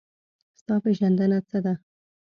ستا پېژندنه څه ده؟